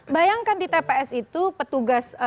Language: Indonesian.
bayangkan di tps itu petugas